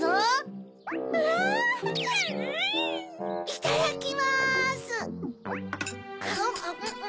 いただきます！